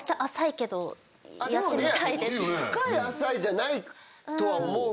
深い浅いじゃないとは思うからね。